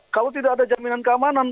kalau tidak ada jaminan keamanan